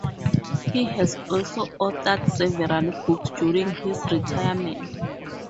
He has also authored several books during his retirement.